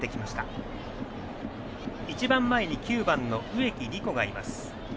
今日は一番前に９番の植木理子がいます。